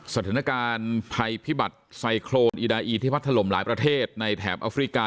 สถานการณ์ภัยพิบัติไซโครนอีดาอีที่พัดถล่มหลายประเทศในแถบอัฟริกา